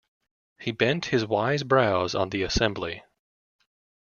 He bent his wise brows on the assembly.